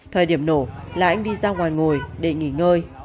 thời điểm nổ là anh đi ra ngoài ngồi để nghỉ ngơi